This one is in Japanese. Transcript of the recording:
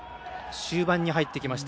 終盤に入ってきました。